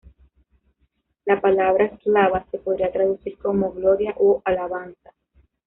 La palabra "slava" se podría traducir como "gloria" o "alabanza".